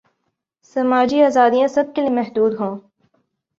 سماجی آزادیاں سب کیلئے محدود ہوں۔